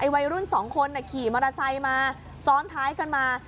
วัยรุ่นสองคนขี่มอเตอร์ไซค์มาซ้อนท้ายกันมา